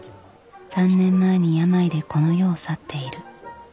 ３年前に病でこの世を去っている。